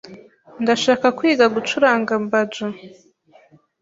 Ndashaka kwiga gucuranga banjo.